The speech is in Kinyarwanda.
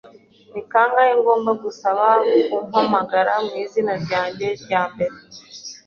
Ni kangahe ngomba kugusaba kumpamagara mwizina ryanjye ryambere?